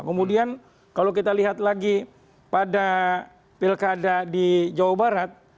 kemudian kalau kita lihat lagi pada pilkada di jawa barat